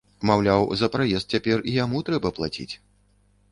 Маўляў, за праезд цяпер і яму трэба плаціць.